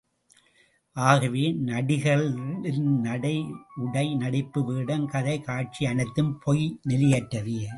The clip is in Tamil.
ஆகவே, நடிகர்களின் நடை, உடை, நடிப்பு, வேடம், கதை, காட்சி, அனைத்தும் பொய் நிலையற்றவை.